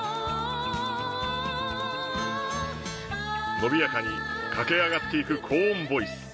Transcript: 伸びやかに駆け上がっていく高音ボイス。